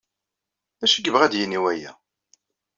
D acu i yebɣa ad d-yini waya?